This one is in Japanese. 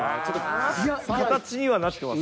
いや形にはなってます。